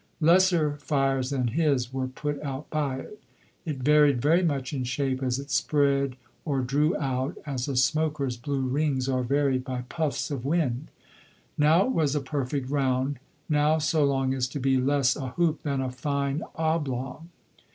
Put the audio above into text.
Lesser fires than his were put out by it. It varied very much in shape as it spread or drew out, as a smoker's blue rings are varied by puffs of wind. Now it was a perfect round, now so long as to be less a hoop than a fine oblong.